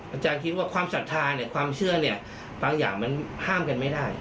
อัตยายก็คิดว่าความศตราเนี่ยความเชื่อบางอย่างมันห้ามไม่ได้